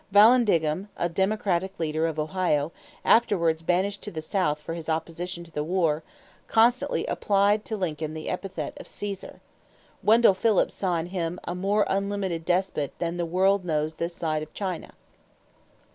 Vallandigham, a Democratic leader of Ohio, afterward banished to the South for his opposition to the war, constantly applied to Lincoln the epithet of "Cæsar." Wendell Phillips saw in him "a more unlimited despot than the world knows this side of China."